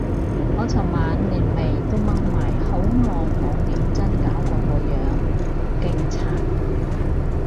我尋晚連眉都掹埋，好耐冇認真搞過個樣，勁殘